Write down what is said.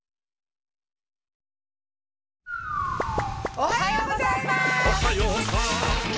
おはようございます！